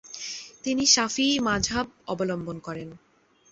তিনি শাফিঈ মাজহাব অবলম্বন করেন।